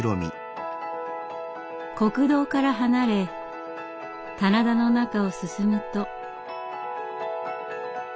国道から離れ棚田の中を進むと。